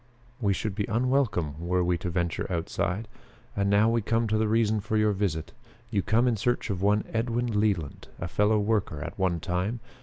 We should be unwelcome were we to venture outside. And now we come to the reason for your visit. You come in search of one Edwin Leland, a fellow worker at one time.